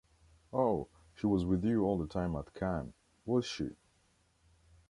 Oh, she was with you all the time at Cannes, was she?